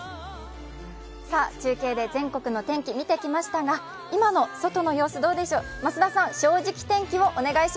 中継で全国の天気見てきましたが今の外の様子どうでしょう。